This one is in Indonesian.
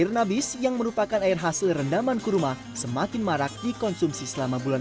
air nabis yang merupakan air hasil rendaman kurma semakin marak dikonsumsi selama bulan